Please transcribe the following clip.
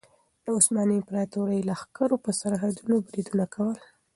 د عثماني امپراطورۍ لښکرو پر سرحدونو بریدونه کول.